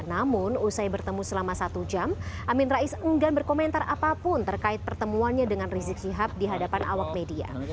namun usai bertemu selama satu jam amin rais enggan berkomentar apapun terkait pertemuannya dengan rizik syihab di hadapan awak media